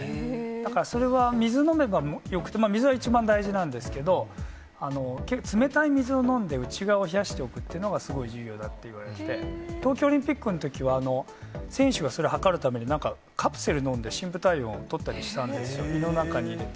だから、それは水飲めばよくて、水は一番大事なんですけれども、冷たい水を飲んで、内側を冷やしておくっていうのが、すごい重要だといわれていて、東京オリンピックのときは、選手がそれをはかるために、なんか、カプセル飲んでしんぶ体温をとったりしたんですよ、胃の中に入れて。